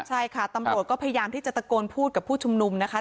ใช่ค่ะตำรวจก็พยายามที่จะตะโกนพูดกับผู้ชุมนุมนะคะ